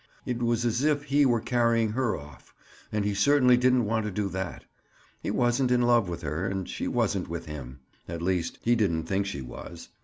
It was as if he were carrying her off, and he certainly didn't want to do that. He wasn't in love with her, and she wasn't with him. At least, he didn't think she was.